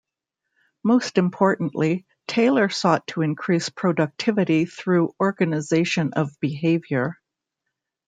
Most importantly, Taylor sought to increase productivity through organization of behaviour.